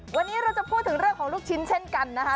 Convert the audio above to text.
วันนี้เราจะพูดถึงเรื่องของลูกชิ้นเช่นกันนะคะ